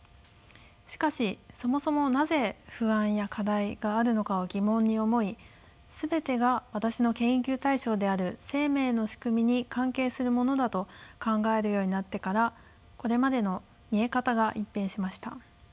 しかしそもそもなぜ不安や課題があるのかを疑問に思い全てが私の研究対象である生命の仕組みに関係するものだと考えるようになってからこれまでの見え方が一変しました。